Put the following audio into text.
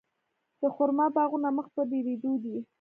د خرما باغونه مخ په ډیریدو دي.